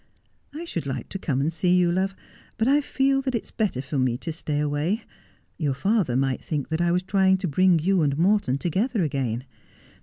I should like to come and see you, love, but I feel that it is better for me to stay away. Your father might think that I was trying to bring you and Morton together again.